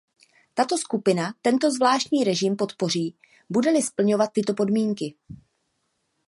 Tato skupina tento zvláštní režim podpoří, bude-li splňovat tyto podmínky.